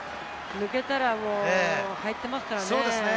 抜けたら入ってますからね。